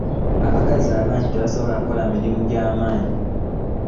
Abakazi bangi tebasobola kukola mirimu e gyamanyi.